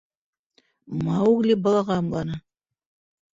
— Маугли балаға ымланы.